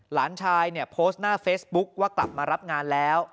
หลานชายเนี่ยโพสต์หน้าเฟซบุ๊คว่ากลับมารับงานแล้ว